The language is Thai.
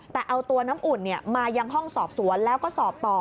แต่เอาตัวน้ำอุ่นมายังห้องสอบสวนแล้วก็สอบต่อ